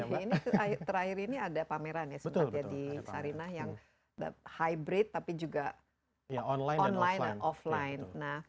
ini terakhir ini ada pameran ya sempat jadi sarinah yang hybrid tapi juga online dan offline